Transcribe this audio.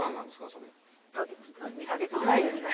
それ２カ月ぐらいですね